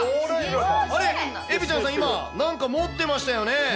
あれ、エビちゃんさん、なんか持ってましたよね。